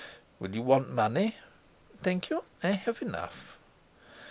"Will you want money?" "Thank you; I have enough."